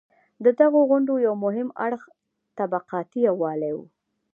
د دغو غونډو یو مهم اړخ طبقاتي یووالی و.